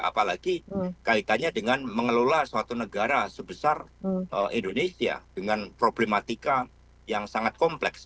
apalagi kaitannya dengan mengelola suatu negara sebesar indonesia dengan problematika yang sangat kompleks